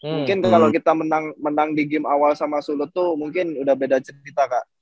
mungkin kalau kita menang di game awal sama sulut tuh mungkin udah beda cerita kak